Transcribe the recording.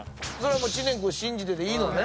知念君信じてでいいのね？